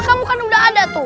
kamu kan udah ada tuh